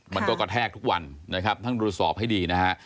มันก็กระแทกทุกวันนะครับท่านดูสอบให้ดีนะฮะ